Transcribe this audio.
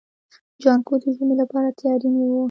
جانکو د ژمي لپاره تياری نيوه.